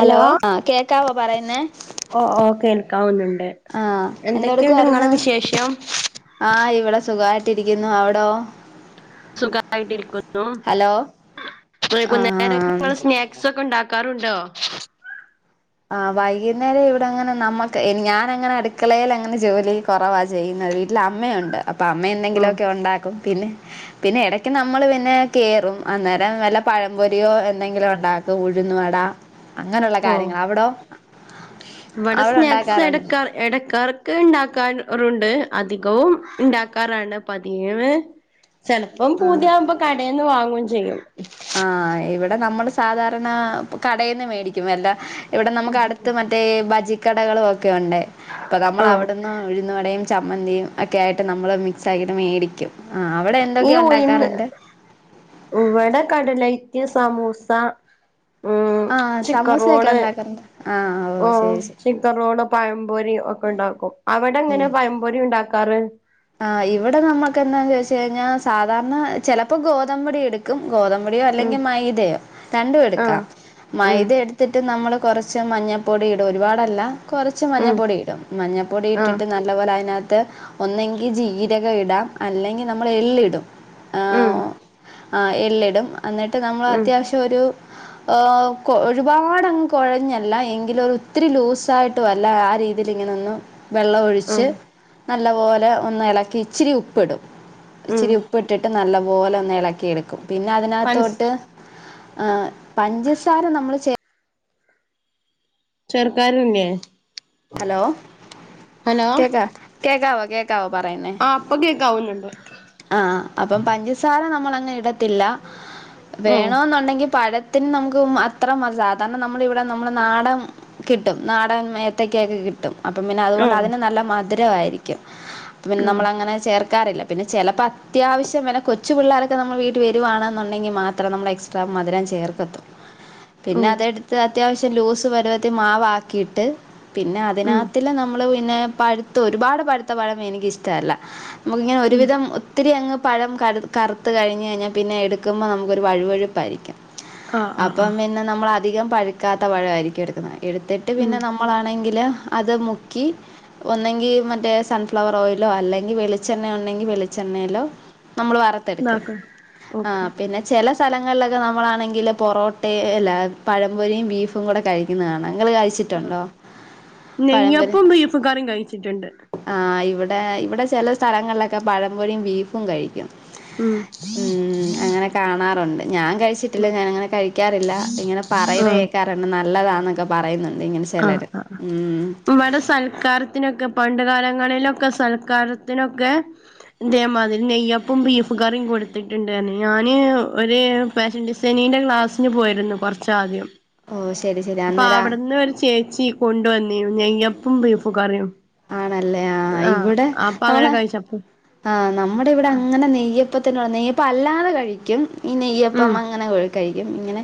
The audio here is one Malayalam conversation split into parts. ഹലോ ആ കേക്കാവോ പറയുന്നേ ഓ ഓ കേൾക്കാവുന്നുണ്ട് ആ എന്തൊക്കെയുണ്ട് നിങ്ങളെ വിശേഷം ആഹ് ഇവിടെ സുഖമായിട്ടിരിക്കുന്നു അവിടോ സുഖമായിട്ടിരിക്കുന്നു ഹലോ ആ വൈകുന്നേരൊക്കെ നമ്മള് സ്നാക്സ് ഒക്കെ ഉണ്ടാക്ക- ക്കാറുണ്ടോ ആഹ് വൈകുന്നേരം ഇവിടെ അങ്ങനെ നമ്മക്ക് ഞാനങ്ങനെ അടുക്കളയിൽ അങ്ങനെ ജോലി കുറവാ ചെയ്യുന്നത് വീട്ടിൽ അമ്മയുണ്ട് അപ്പൊ അമ്മ ഓ എന്തെങ്കിലുമൊക്കെ ഉണ്ടാക്കും പിന്നെ പിന്നെ ഇടക്ക് നമ്മള് പിന്നെ കയറും അന്നേരം നല്ല പഴം പൊരിയോ എന്തെങ്കിലോ ഉണ്ടാക്കും ഉഴുന്നു വടാ അങ്ങനുള്ള ഓ കാര്യങ്ങള് അവിടോ ഇവിടെ അവിടെ സ്നാക്സ് ഉണ്ടാക്കാറുണ്ട് എടുക്കാ ഇടക് ഇടക്ക് ഉണ്ടാക്കാറുണ്ട് അധികവും ഉണ്ടാക്കാറാണ് പതിവ് ചെലപ്പം ആ പൂതിയാവുമ്പോ കടയിൽന്ന് വാങ്ങുകയും ചെയ്യും ആഹ് ഇവിടെ നമ്മൾ സാധാരണ കടയിൽന്ന് മേടിക്കും അല്ല ഇവിടെ നമുക്ക് അടുത്ത് മറ്റ ട്ടേ ബജിക്കടകളും ഒക്കെ ഉണ്ട് അപ്പൊ നമ്മള് ആഹ് അവിടുന്ന് ഉഴുന്നവടയും ചമ്മന്തിയും ഒക്കെ ആയിട്ട് നമ്മള് മിക്സ് ആക്കിട്ട് മേടിക്കും അവിടെ ഈ എന്തൊക്കെ ഉഴുന്ന് ഉണ്ടാക്കാറുണ്ട് ഇവിടെ കടലൈറ്റ് സമൂസ ഉം ആഹ് ചിക്കൻ സമൂസയൊക്കെ റോള് ഉണ്ടാക്കുന്നുണ്ട് ആഹ് ഓ ശരി ശരി റോണ് പഴംപൊരി ഒക്കെ ഉണ്ടാക്കും അവിടെങ്ങനെ പഴംപൊരി ഉണ്ടാക്കാറ് ആഹ് ഇവിടെ നമ്മുക്ക് എന്താന്ന് ചോദിച്ച് കഴിഞ്ഞാൽ സാധാരണ ചെലപ്പോ ഗോതമ്പപൊടി എടു ഗോതമ്പുടിയോ ഉം അല്ലെങ്കിൽ മൈദയോ രണ്ടും ആഹ് എടുക്കാം ഉം മൈദ എടു ത്തിട്ട് നമ്മള് കുറച്ച് മഞ്ഞൾപ്പൊടി ഇടും ഒരുപാടല്ല കുറച്ച് ഉം മഞ്ഞൾപ്പൊടി ഇടും മഞ്ഞൾപ്പൊടി ആഹ് ഇട്ടിട്ട് നല്ല പോലെ അതിനകത്ത് ഒന്ന് ജീരകം ഇടാം അല്ലെങ്കിൽ നമ്മൾ എള്ള് ഇടും ഉം ആഹ് എല്ലിടും എന്നിട്ട് നമ്മൾ ഉം അത്യാവശ്യം ഒരു ആഹ്ഒരുപാട് അങ്ങ് കുഴഞ്ഞല്ല എങ്കിലും ഒത്തിരി ലൂസായിട്ട് ആ രീതിൽ ഇങ്ങനൊന്ന വെള്ള ഉം ഴിച്ച് നല്ലപോലെ ഒന്ന് ഇളക്കി ഇച്ചിരി ഉപ്പിടും ഉം ഇച്ചിരി ഉപ്പിട്ട് ട്ട് നല്ല ഇളക്കി എടുക്കും പിന്നെ പൻസ് അതിനോത്തോട്ട് പഞ്ചസാര നമ്മള് ചേർത്ത് ചെർക്കാറില്ലെ ഹലോ കേക്കാ കേക്കാവോ കേക്കാവോ പറയുന്നേ ഓക്കെ ഒക്കെ ആവുന്നുണ്ട് ആഹ് അപ്പം പഞ്ചസാര നമ്മള് അങ്ങനെ ഇടത്തില്ല ഉം വേണൊന്നുണ്ടെങ്കിൽ പഴ പഴത്തിന് നമുക്ക് അത്ര സാധാരണ നമ്മളിവിടെ നമ്മുടെ നാടൻ- കിട്ടും നാടൻ ഏത്തയ്ക്കൊക്കെ കിട്ടും അപ്പം പിന്നെ അതുകൊണ്ട് ഉം അതിന് നല്ല മധുരയിരിക്കും പിന്നെ ആഹ് നമ്മള് അങ്ങനെ ചേർക്കാറില്ല പിന്നെ ചെലപ്പോ അത്യാവശ്യം വല്ല കൊച്ചു പിള്ളേൊക്കെ നമ്മള് വീട് വരുവാണെന്നുണ്ടെങ്കിൽ മാത്രം നമ്മള് എക്സ് എക്സ്ട്രാ മധുരം ചേർതിട്ട് [inaudible] പിന്നെ അതെടുത്ത് അത്യാവശ്യം ലൂസ് പരുവത്തി മാവ് ആക്കിയിട്ട് - പിന്നെ ഉം അതിനകത്തില് നമ്മള് പിന്നെ പഴുത്ത ഒരുപാട് പഴുത്ത പഴം എനിക്ക് ഇഷ്ട്ടമല്ല നമുക്ക് ഇങ്ങനെ ഉം ഒരുവിധം ഒത്തിരി അങ്ങ് പഴം കറുത്ത് കഴിഞ്ഞ് കഴിഞ്ഞാൽ പിന്നെ എടുക്കുമ്പോൾ നമുക്കൊരു വഴുവഴുപ്പായിരിക്കാം ആഹ് ആഹ് അപ്പം ആഹ് പിന്നെ നമ്മള് അധികം പഴുക്കാത്ത പഴം ആയിരിക്കും എടുക്കുന്നത് എടുത്തിട്ട് ഉം പിന്നെ നമ്മ നമ്മളാണെങ്കില് അത് മുക്കി- ഒന്നെങ്കിൽ മറ്റേ സൺഫ്ലവർ ഓയിലോ അല്ലെങ്കിൽ വെളിച്ചെണ്ണ അല്ലെങ്കിൽ വെളിച്ചെണ്ണയിലോ നമ്മള് വറുത്ത് എടുക്കും ഇതാക്ക ഓക്കെ ചെല സ്ഥലങ്ങളിലൊക്കെ നമ്മളാണെങ്കിൽ പൊറോട്ടയും അല്ല പഴം പൊരിയും ബീഫും കൂടെ കഴിക്കുന്നത് കാണാം നിങ്ങള് കഴി - ആ നെയ്യപ്പോം ബീഫ് കറിയും കഴിച്ചിട്ടുണ്ട് ആ ഇവിടെ ഇവിടെ ചെല സ്ഥലങ്ങളിലൊക്കെ പഴംപൊരിയും ബീഫും കഴിക്കും ഉം ഉം അങ്ങനെ- കാണാറുണ്ട് ഞാൻ കഴിച്ചിട്ടില്ല ഞാനിങ്ങനെ കഴിക്കാറില്ല ഇങ്ങനെ പറയുന്ന ആഹ് കേക്കാറുണ്ട് നല്ലതാന്നൊക്കെ- പറയുന്നുണ്ട് ഇങ്ങനെ ആഹ് ചെലര് ആഹ് ഉം [unintelligible] സൽക്കാരത്തിനൊക്കെ പണ്ട് കാലങ്ങളിലൊക്കെ സൽക്കാരത്തിനൊക്കെ- ഇതേമാതിരി നെയ്യപ്പോം ബീഫ് കറിയും കൊടുത്തിട്ടുണ്ടായിരുന്നു ഞാൻ ഒരു- ഫാഷൻ ഡിസൈനിന്റെ ക്ലാസ്സിന് പോയിരുന്നു കൊറച്ച് ആദ്യം ഓ ശരി ശരി അപ്പൊ അന്നേരം അവിടിന്ന് ഒരു ചേച്ചി കൊണ്ട് വന്നിരുന്നു നെയ്യപ്പോം ബീഫും കറിയും ആണല്ലേ ആ ആഹ് ഇവിടെ അപ്പൊ നമ്മള് - [unintelligible] ആ നമ്മുടെ ഇവിടെ അങ്ങനെ നെയ്യപ്പത്തിന് നെയ്യപ്പം അല്ലാതെ കഴിക്കും ഈ ഉം നെയ്യപ്പം അങ്ങനെ കഴിക്കും കഴിക്കും ഇങ്ങനെ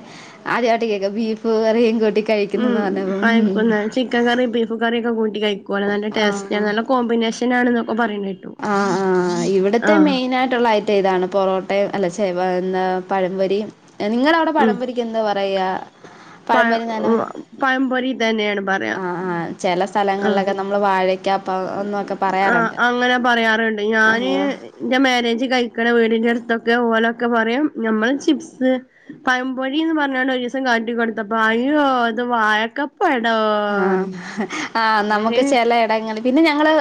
ആദ്യമായിട്ട കേക്കുവാ ബീഫ് കറിയും കൂട്ടി ഉം കഴിക്കുന്നന്ന് പറഞ്ഞപ്പം ആയി [unintelligible] ഉം. ക്കന്ന ചിക്കൻ കറി ബി- ചിക്കൻ കറിയൊക്കെ കൂട്ടി കഴിക്കുക അല്ല നല്ല ആ ടേസ്റ്റ് ആണ് നല്ല കോമ്പിനേഷനണൊക്കെ പറയുന്ന കേട്ടു ആഹ് ആഹ് ഇവിടത്തെ ആഹ് മെയിൻ ആയിട്ടുള്ള ഐ - ഇതാണ് പൊറോട്ടയും അല്ല ഛേ പഴംപൊരിയും നിങ്ങള- ഇവിടെ ഉം പഴം പൊരിക്ക് എന്തുവാ പറയുവാ പഴം പഴ പൊരി തന്നെ പഴംപൊരി തന്നെയാണ് പറയാ ആഹ് ആഹ് ചെല ആഹ് സ്ഥലങ്ങളിലൊക്കെ നമ്മ- നമ്മള് വാഴക്കാ അപ്പം - ആഹ് അങ്ങനെ പറയാറുണ്ട് ഞാന്- ആ എന്റെ മാരേജ് കഴിക്കണ വീടിന്റെ അടുത്തൊക്കെ ഓലൊക്കെ പറയും നമ്മള് ചിപ്സ്- പഴം പൊരി എന്ന് പറഞ്ഞോണ്ട് ഒരു ദിവസം കാണ്ടി കൊടുത്തപ്പൊ അയ്യോ ഇത് വായക്ക- പടോ [unintelligible] ആഹ് ആ നമുക്ക് ചെല എടങ്ങളിൽ- പിന്നെ ഞങ്ങള്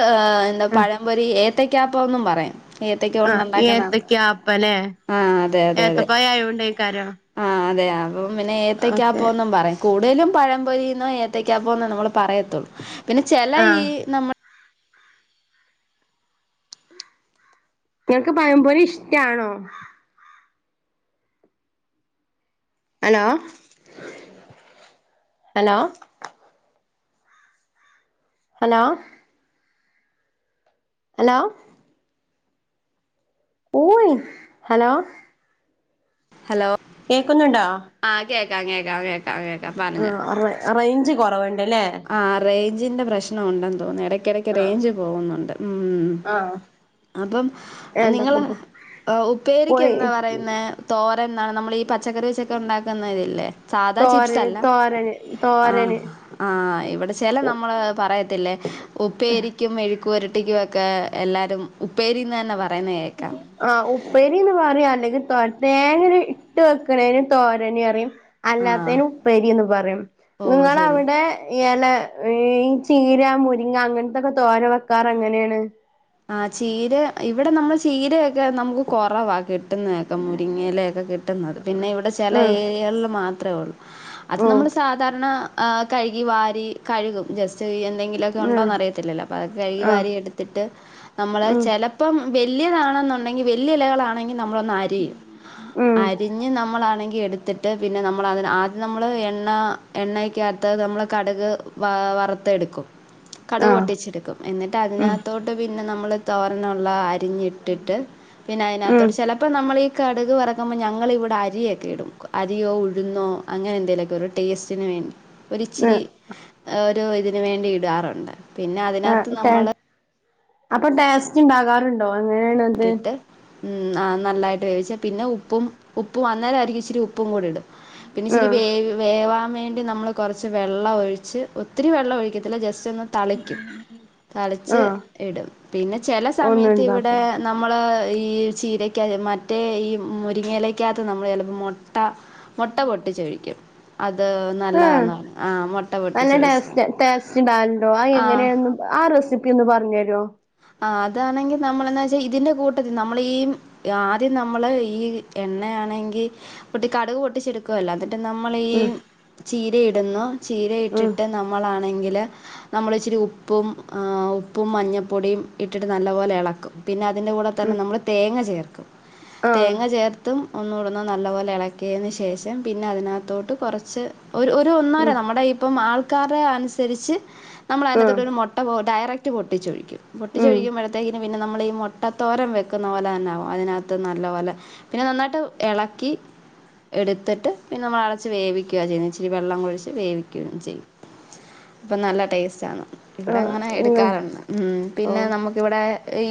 എന്താ ആഹ് പഴംപൊരി ഏത്തയ്ക്ക അപ്പൊന്നും പറയും ഏത്തക്ക ആ കൊണ്ടുണ്ടാക്കുന്ന ഏത്തക്ക അപ്പംയില്ലേ ആഹ് ഏത്തപ്പഴം ആയോണ്ട് ആയിരിക്കും ആ അതെ അപ്പം പിന്നെ ഏത്തയ്ക്ക അപ്പൊന്നും പറയും കൂടുതലും പഴം പൊരിന്നോ ഏത്തക്കാ അപ്പം ന്നോ നമ്മള് പറയത്തൊള്ളൂ. പിന്നെ ചെല ഈ ആഹ് നമ്മ ഇങ്ങൾക്ക് പയം പൊരി ഇഷ്ടാണോ? ഹലോ ഹലോ ഹലോ ഹലോ ഓയി ഹലോ ഹലോ കേക്കുന്നുണ്ടോ ആഹ് കേക്കാം കേക്കാം കേ ആഹ് റെ റേയ്ഞ്ച് കൊറവ്ണ്ട് ലേ. ആഹ് റേയ്ഞ്ചിൻ്റെ പ്രശ്നം ഉണ്ടെന്ന് തോന്നുന്നു. എടയ്ക്കിടയ്ക്ക് റേയ്ഞ്ച് പോകുന്നുണ്ട്. ഉം ആഹ്. അപ്പം നിങ്ങള് എന്തൊക്കെപ്പ ഏഹ് ഉപ്പേരിക്ക് പോയി എന്താ പറയുന്നേ തോരൻ ന്നാണ് നമ്മളീ പച്ചക്കറി വെച്ചൊക്കെ ഉണ്ടാക്കുന്ന ഇതില്ലേ. തോരൻ തോരന് തോരന് ഇവടെ ചെല നമ്മള് പറയത്തില്ലേ ഉപ്പേരിക്കും മെഴുക്കു പുരട്ടിക്കും ഒക്കെ എല്ലാരും ഉപ്പേരിന്ന് തന്നെ പറയുന്നത് കേക്കാം ആഹ് ഉപ്പേരി ന്ന് പറിം. അല്ലെങ്കി തൊ തേങ്ങ ര് ഇട്ട് വെക്ക്ണേന് തോരന് പറിം. ആ അല്ലാത്തേന് ഉപ്പേരീന്ന് പറയും. ഓ ശരി നിങ്ങളവ്ടെ എല ഈ ചീര, മുരിങ്ങ, അങ്ങനത്തൊക്കെ തോരൻ വെക്കാറ് എങ്ങനേണ്? ആഹ് ചീര ഇവടെ നമ്മൾ ചീരയൊക്കെ നമുക്ക് കൊറവാ കി ട്ടുന്നതൊക്കെ മുരിങ്ങയിലയൊക്കെ കിട്ടുന്നത്. പിന്നെ ഇവടെ ചെല ആഹ് ഏരിയകളിൽ മാത്രേ ഒള്ളൂ. അത് ഓഹ് നമ്മൾ സാധാരണ ഏഹ് കഴുകി വാരി കഴുകും ജസ്റ്റ് ഒര് എന്തെങ്കി ലൊക്കെ ഉം ഉണ്ടോന്നറിയത്തില്ലലോ അതൊക്കെ ആഹ് കഴുകിവാരി എടുത്തിട്ട് നമ്മള് ഉം ചെലപ്പം വല്യതാണെന്നുണ്ടെങ്കി വല്യ ഇലകളാ ണെങ്കി നമ്മളൊന്നരിയും, ഉം അരിഞ്ഞ് നമ്മളാണെങ്കി എടുത്തി ട്ട് പിന്നെ നമ്മളതിന് ആദ്യം നമ്മൾ എണ്ണ എണ്ണയ്ക്കാത്ത് നമ്മള് കടുക് വ വറുത്തെടുക്കും. ഉ കടുക് പൊട്ടിച്ചെടുക്കും. എന്നിട്ട് അതിനകത്തോട്ട് പിന്നെ നമ്മൾ തോരനുള്ള അരിഞ്ഞിട്ടിട്ട് പിന്ന അയിനകത്തോട്ട് ഉം ചെല പ്പം നമ്മളീ കടുക് വറക്കുമ്പം ഞങ്ങളിവിടെ അരിയൊക്കെ ഇടും. അരിയോ ഉഴുന്നോ. അങ്ങനെ എന്തേലൊക്കെ ഒരു ടേസ്റ്റിന് വേണ്ടി. ഒരിച്ചിരി ഒരു ഇതിന് വേണ്ടി ഇടാറുണ്ട്. പിന്നെ അതിനകത്ത് ആഹ് നമ്മള് അപ്പൊ ടേസ്റ്റ് ഇണ്ടാകാറുണ്ടോ? എങ്ങനേണ്? ഇട്ടിട്ട് മ് ആഹ് നല്ലായിട്ട് വേവിച്ച പിന്നെ ഉപ്പും ഉപ്പും അന്നേരമായിരിക്കും ഇച്ചിരി ഉപ്പും കൂടി ഇടും. പിന്നെ ഇച്ചിരി ആഹ് വേവ് വേവാൻ വേ ണ്ടി നമ്മള് കൊറച്ച് വെള്ളം ഒഴിച്ച്, ഒത്തിരി വെള്ളം ഒഴിക്കത്തില്ല. ജസ്റ്റ് ഒന്ന് തളിക്കും. തളിച്ച് ആഹ് ഇടും പിന്നെ ചെല ഒന്നും സമയത്ത് ഇവിടെ ഉണ്ടാക്കും നമ്മള് ഈ ചീരക്ക മറ്റേ ഈ മുരിങ്ങയിലക്കകത്ത് നമ്മൾ ചെലപ്പം മൊ ട്ട മുട്ട പൊട്ടിച്ചൊഴിക്കും. അത് ആഹ് നല്ലതാന്ന് [unintelligible] ആഹ് മുട്ട നല്ല പൊട്ടിച്ചൊഴിച്ച് ടേസ്റ്റ് ടേസ്റ്റ് ഉണ്ടാവലുണ്ടോ അത് ആഹ്. എങ്ങനെയാന്ന് ആ റെസിപ്പി ഒന്ന് പർഞ്ഞെരോ. ആഹ് അതാണെങ്കി നമ്മളെന്നാ വെച്ചാ ഇതിന്റെ കൂട്ടത്തി നമ്മളീ ആദ്യം നമ്മള് ഈ എണ്ണയാണെങ്കി പൊട്ടി കടുക് പൊട്ടിച്ചെടുക്കുവല്ലൊ അതിന് റ്റ് നമ്മളീ ഉം ചീരയിടുന്നു. ഉം ചീരയിട്ടിട്ട് ന നമ്മളാണെങ്കില് നമ്മള് ഇച്ചിരി ഉപ്പും ഉപ്പും മഞ്ഞ പൊടിയും ഇട്ടിട്ട് നല്ലപോലെ എളക്കും പിന്നെ അതിന്റെ കൂടെ തന്നെ ഉം നമ്മൾ തേങ്ങ ചേർക്കും ആഹ് തേങ്ങ ചേർ - - ത്തും ഒന്നുകൂടന്ന് നല്ലപോലെ ഇളക്കിയതിന് ശേഷം പിന്നെ അതിനകത്തോട്ട് കൊറച്ച് ഒരു ഒരു ഒന്നര ഉം നമ്മുടെ ഇപ്പം ആൾക്കാര അനുസരിച്ച് നമ്മള് അതിനത്തൊ ആഹ് ഒരു ട്ടാ ഡയറക്റ്റ് പൊട്ടിച്ചൊഴിക്കും ഉം പൊട്ടിച്ചൊഴിക്കുമ്പോഴത്തേക്ക് നും പിന്നെ നമ്മള് ഈ മുട്ടത്തോരം വെക്കുന്ന പോലെ തന്നെകും അതിനകത്ത് നല്ല പോലെ പിന്നെ നന്നായിട്ട് എളക്കി എടുത്തിട്ട് പിന്നെ നമ്മള് അടച്ച് വേവിക്കുകയാണ് ചെയ്യുന്നത് ഇച്ചിരി വെള്ളം ഒഴിച്ച് വേവിക്ക ചെയ്യന്നേ അപ്പം നല്ല ടേസ്റ്റ ആണ് ഇവിടെ ആഹ് അങ്ങനെ ഉം എടുക്കാറുണ്ട് ഉ പിന്നെ ഓഹ് നമുക്കിവിടെ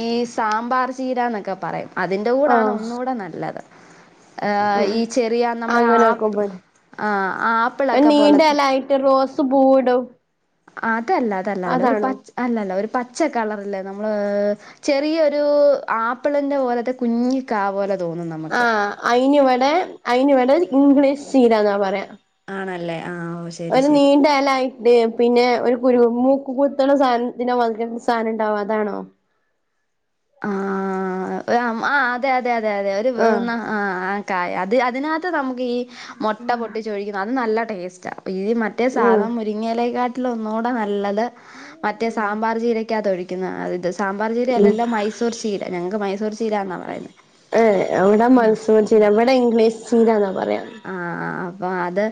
ഈ സാമ്പാർ ചീര എന്നൊക്കെ പറയും. അതിന്റെ കൂടൊണ് ആഹ് ഒന്നുകൂടെ നല്ലത് ഏ ഉം ഈ ചെറിയ നമ്മുടെ അങ്ങനെ ആപ്പ വെക്കുമ്പോലെ ആഹ് ആ ആപ്പിളക്കാ പോലത്തെ പൂവ്ടും അതല്ല അതല്ല അതല്ല ഒരു അല്ലല്ല ഒരു പച്ച കളറല്ലേ നമ്മള് ചെറിയൊരു ആപ്പിളിന്റെ പോലത്തെ കുഞ്ഞിക്ക പോല ആഹ് അയിനിവിടെ അയിനി ഇവിടെ ഇംഗ്ലീഷ് ചീരന്ന പറയാം ആണല്ലേ ഓ ശരി ഒരു ശരി നീണ്ട എലായി അത പിന്നെ ഒരു കുരു മൂക്ക് കുത്തുണ സാധനത്തിന്റെ മായിരി ഒരു സാധനം ഉണ്ടാവുംഅതാണോ? ആ ആ അതെ അതെ അതെ അതെ ആഹ് ആ ആ കായ അത് അതിനക നമുക്ക് ഈ മോട്ട പൊട്ടിച്ചോഴിക്കുന്നത് അത് നല്ല ടേസ്റ്റ് മറ്റേ ഉം സാധനം മുരിങ്ങലക്കാട്ടിലിഒന്നു കൂടെ നല്ലത് മറ്റേ സാമ്പാർ ചീരക്കകത്ത തൊഴിക്കുന്നതാണ് നല്ലത്. സാമ്പാർ ചീര അല്ലല്ലോ മൈസൂർ ചീര ഞങ്ങക്ക് മൈസൂർ ചീരന്നാ പറയുന്നത് ഏഹ് അവിടെ ആ മൈസൂർ ചീര വ്ടെ ഇംഗ്ലീഷ് ചീരന്ന പറയാ ആഹ് ആഹ് അപ്പൊ അത്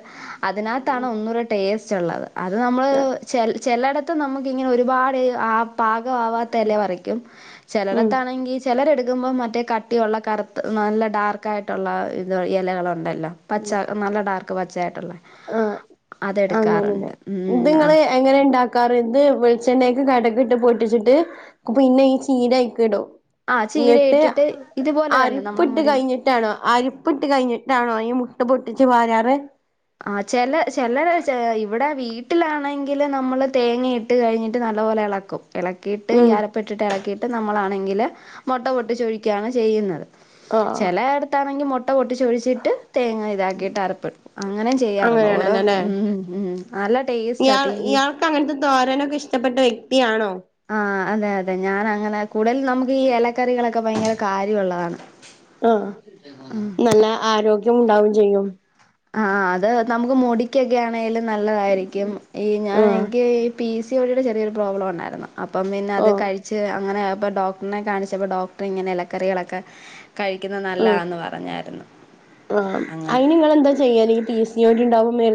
അതിനകത്താണ് ഒന്നൂടെ ടേസ്റ്റ് ഉള്ളത് അത് നമ്മള് ചെൽ ചിലയിടത്ത് നമുക്കിങ്ങനെ ഒരുപാട് ആ പാക ആവാത്തഇല പറയ്ക്കും ഉം ചിലടത്താണെങ്കി ചിലരെടുക്കുമ്പോ മറ്റേ കട്ട കുട്ടിയുള്ള കറുത്ത് നല്ല ഡാർക്കായിട്ടുള്ള ഇത് ഇലകളുണ്ടല്ലോ പച്ച നല്ല ഡാർക്ക് ക്ക് പച്ചായിട്ടുള്ളേ ആഹ് അങ്ങനെന്നെ അതെടുക്കാറുണ്ട് ഇത് ഉം ഇങ്ങള് ആഹ് എങ്ങനെ ഉണ്ടാക്കാറ് ത് വെളിച്ചെണ്ണക്ക് കടുക് ഇട്ട് പൊട്ടിച്ചിട്ട് പിന്നെ ഈ ചീര അയ്ക്ക് ഇടും ആഹ് ചീര ഇങ്ങട്ട് ഇട്ടിട്ട് ഇതുപോലെ തന്നെ അരപ്പ് നമ്മളെ ഇട്ട് മുരി കഴിഞ്ഞിട്ട് ട്ടാണോ അരപ്പ് ഇട്ട് കഴിഞ്ഞിട്ടാണോ ഈ മുട്ട പൊട്ടിച്ച് പാരാറ് ആ ചില ചിലർ ഇവിടെ വീട്ടിലാണെങ്കില് നമ്മള് തേങ്ങ ഇട്ട് കഴിഞ്ഞിട്ട് നല്ല പോലെ ഇളക്കും ഇളക്കിയിട്ട് ഈ ഉം അരപ്പ് ഇട്ട് ട്ട് ഇളക്കിയിട്ട് നമ്മളാണെങ്കിൽ മുട്ട പൊട്ടിച്ചൊഴിക്കുകയാണ് ചെയ്യുന്നത് ആഹ് ചില അടത്താണെങ്കി മുട്ട പൊട്ടിച്ചൊഴിച്ചിട്ട് തേങ്ങ ഇതാക്കിട്ട് അരപ്പും അങ്ങനെയും ചെയ്യാറുണ്ട് ഓരോ അങ്ങനെയാണല്ലോല്ലേ ഉം ഉം നല്ല ടേസ്റ്റ് ഇയാൾ ത ഇയാൾക്ക് അങ്ങനത്തെ തോരനൊക്കെ ഇഷ്ടപ്പെട്ട വ്യക്തിയാണോ ആഹ് അതെ അതെ ഞാൻ അങ്ങനെ കൂടുതൽ നമുക്ക് ഈ ഇലക്കറികളൊക്കെ ഭയങ്കര കാര്യമുള്ളതാണ് ആഹ് ആ നല്ല ആരോഗ്യം ഉണ്ടാവും ചെയ്യും ആഹ് അത് നമുക്ക് മുടിക്കൊക്കെ ആണെലും നല്ലതായിരിക്കും ഈ ഞാൻ ആഹ് എനിക്ക് പി സി ഓ ടി യുടെ ചെറിയൊരു പ്രോബ്ലം ഉണ്ടായിരുന്നു അപ്പം പിന്നെ അത് ഓഹ് കഴിച്ചു ച്ച് അങ്ങനെ അപ്പ ഡോക്ടറിനെ കാണിച്ചപ്പോ ഡോക്ടർ ഇങ്ങനെ ഇലക്കറികളൊക്കെ കഴിക്കുന്നത് ആഹ് നല്ലന്ന് പറഞ്ഞായിരുന്നു ആഹ് അങ്ങനെ അയ്ൻ ഇങ്ങളെന്താ ചെയ്യല് ഈ പി സി ഓ ടി ഉണ്ടാവുമ്പോ മരുന്ന്